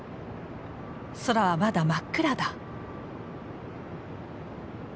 空はまだ真っ暗だ。